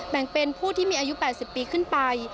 แบ่งเป็นผู้ที่มีอายุ๘๐ปีขึ้นไป